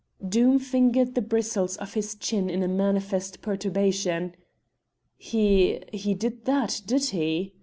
Doom fingered the bristles of his chin in a manifest perturbation. "He he did that, did he?"